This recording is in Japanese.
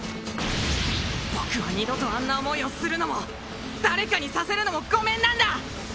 僕は二度とあんな思いをするのも誰かにさせるのもごめんなんだ！